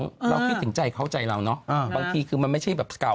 ข้าวของเราใกล้สิ่งใจขาวใจเเราน่ะบางทีคือมันไม่ใช่แบบเก่า